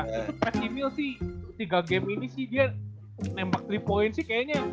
itu patty mills sih tiga game ini sih dia nempak tiga point sih kayaknya